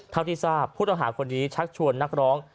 เท่าที่ทราบผู้ต้องหาคนนี้ชักชวนนักร้อง